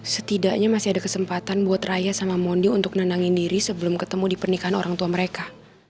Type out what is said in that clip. setidaknya masih ada kesempatan buat raya sama mondi untuk nenangin diri sebelum ketemu di pernikahan orang tua mereka